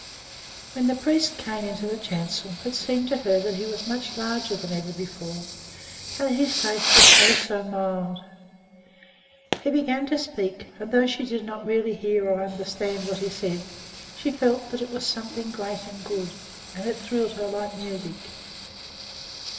When the priest came into the chancel it seemed to her that he was much larger than ever before, and that his face was, oh, so mild! He began to speak; and though she did not really hear or understand what he said, she felt that it was something great and good, and it thrilled her like music.